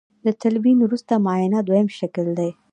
د تلوین وروسته معاینه دویم شکل دی.